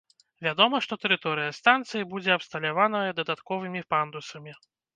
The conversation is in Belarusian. Вядома, што тэрыторыя станцыі будзе абсталяваная дадатковымі пандусамі.